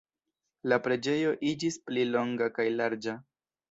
La preĝejo iĝis pli longa kaj larĝa.